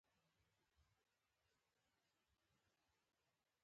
منډه د ذهني ستړیا کموي